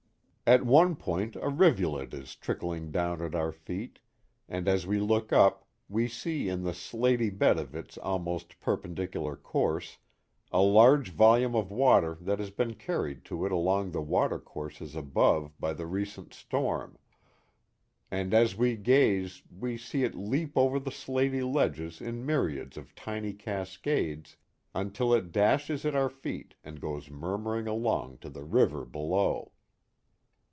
At one point a rivulet is trickling down at our feet, and, as we look up, we see in the slaty bed of its almost perpen dicular course a large volume of water that has been carried to it along the water courses above by the recent storm, and, as we gaze, we see it leap over the slaty ledges in myriads of tiny cascades until it dashes at our feet and goes murmuring along to the river below.